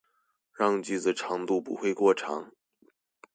讓句子長度不會過長